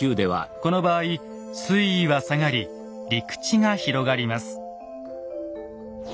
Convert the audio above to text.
この場合水位は下がり陸地が広がります。